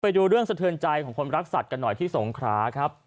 ไปดูเรื่องสะเทือนใจของคนรักสัตว์กันหน่อยที่สงขราครับ